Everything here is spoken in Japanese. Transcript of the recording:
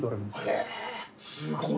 すごい。